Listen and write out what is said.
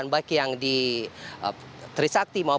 baik yang di trisakti